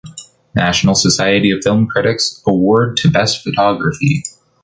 National Society of Film Critics Award to best photography.